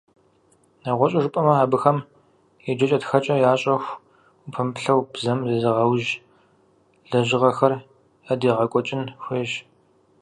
Нэгъуэщӏу жыпӏэмэ, абыхэм еджэкӏэ-тхэкӏэ ящӏэху упэмыплъэу, бзэм зезыгъэужь лэжьыгъэхэр ядегъэкӏуэкӏын хуейщ.